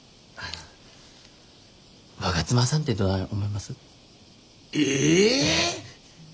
我妻さんってどない思います？え？